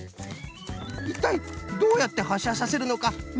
いったいどうやってはっしゃさせるのかみせておくれ！